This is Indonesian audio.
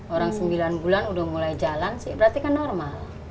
orang sembilan bulan udah mulai jalan sih berarti kan normal